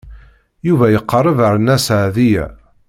Yuba iqerreb ar Nna Seɛdiya.